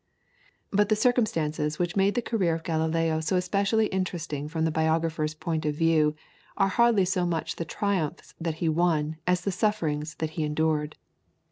But the circumstances which make the career of Galileo so especially interesting from the biographer's point of view, are hardly so much the triumphs that he won as the sufferings that he endured.